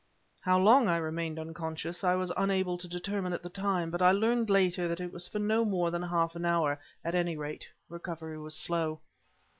How long I remained unconscious, I was unable to determine at the time, but I learned later, that it was for no more than half an hour; at any rate, recovery was slow.